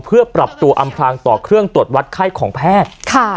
เพื่อปรับตัวอำพลางต่อเครื่องตรวจวัดไข้ของแพทย์